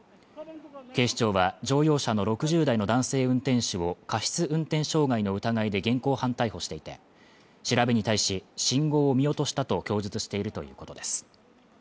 警視庁は乗用車の６０代の男性運転手を過失運転傷害の疑いで現行犯逮捕していて調べに対し信号を見落としたと供述しているということです